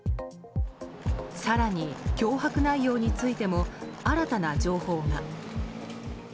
更に脅迫内容についても新たな情報が。